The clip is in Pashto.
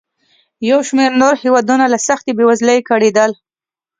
یو شمېر نور هېوادونه له سختې بېوزلۍ کړېدل.